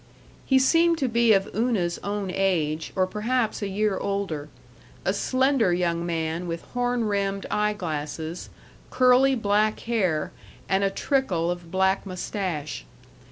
He seemed to be of Una's own age, or perhaps a year older a slender young man with horn rimmed eye glasses, curly black hair, and a trickle of black mustache.